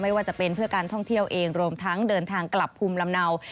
ว่าจะเป็นเพื่อการท่องเที่ยวเองรวมทั้งเดินทางกลับภูมิลำเนา